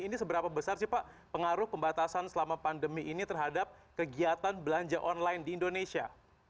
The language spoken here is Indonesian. ini seberapa besar sih pak pengaruh pembatasan selama pandemi ini terhadap kegiatan belanja online di indonesia